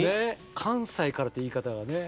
関西からって言い方がね